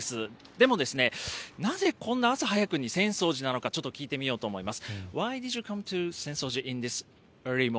でもですね、なぜこんな朝早くに浅草寺なのか、ちょっと聞いてみようと思います。